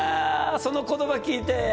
その言葉聞いて？